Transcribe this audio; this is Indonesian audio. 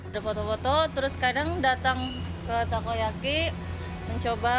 udah foto foto terus kadang datang ke takoyaki mencoba